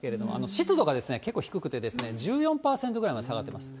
湿度が結構低くて、１４％ぐらいまで下がってます。